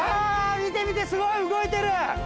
見て見てすごい動いてる！